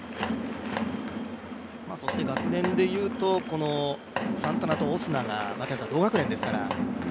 そして学年でいうとサンタナとオスナが同学年ですからね。